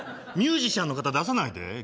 ミュージシャンの方出さないで。